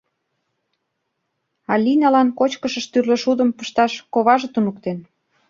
Алиналан кочкышыш тӱрлӧ шудым пышташ коваже туныктен.